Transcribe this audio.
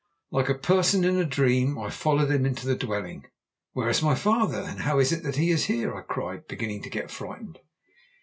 "Like a person in a dream I followed him into the dwelling. "'Where is my father? and how is it that he is here?' I cried, beginning to get frightened.